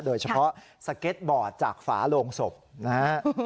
โดยเฉพาะสเก็ตบอร์ดจากฝาโลงศพนะฮะ